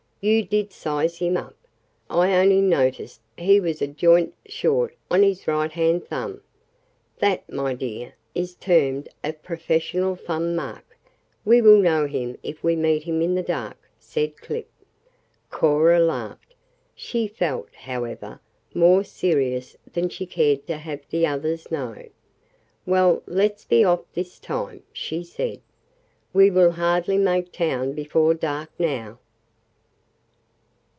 "You did size him up. I only noticed that he was a joint short on his right hand thumb." "That, my dear, is termed a professional thumb mark. We will know him if we meet him in the dark," said Clip. Cora laughed. She felt, however, more serious than she cared to have the others know. "Well, let's be off this time," she said. "We will hardly make town before dark now."